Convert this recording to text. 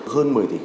hơn mười tỉnh